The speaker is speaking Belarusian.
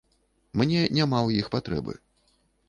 Мне няма ў іх патрэбы.